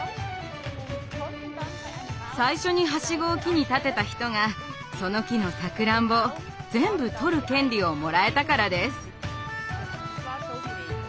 最初にハシゴを木に立てた人がその木のさくらんぼを全部とる権利をもらえたからです。